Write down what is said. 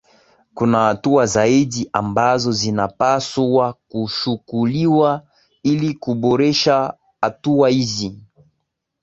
Kuna hatua zaidi ambazo zinapaswa kuchukuliwa ili kuboresha hatua hizi